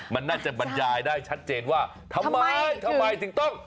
มันน่าจะบรรยายได้ชัดเจนว่าทำไมทำไมถึงต้อง